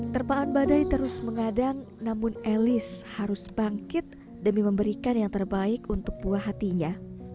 terpaan badai terus mengadang namun elis harus bangkit demi memberikan yang terbaik untuk buah hatinya